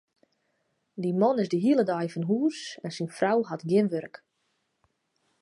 Dy man is de hiele dei fan hús en syn frou hat gjin wurk.